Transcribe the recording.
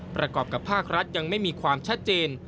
ประกอบกับภาครัฐยังไม่มีความชัดเจน